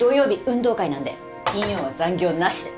運動会なんで金曜は残業なしで。